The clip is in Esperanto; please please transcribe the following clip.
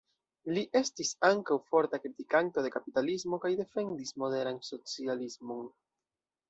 Li estis ankaŭ forta kritikanto de kapitalismo kaj defendis moderan socialismon.